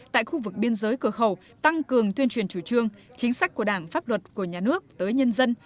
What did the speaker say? tại khu vực biên giới cửa khẩu tăng cường tuyên truyền chủ trương chính sách của đảng pháp luật của nhà nước tới nhân dân